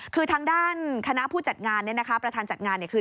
คือทางด้านคณะผู้จัดงานประธานจัดงานคือ